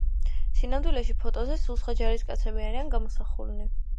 სინამდვილეში ფოტოზე სულ სხვა ჯარისკაცები არიან გამოსახულნი.